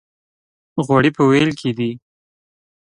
غوړي په وېل کې دي.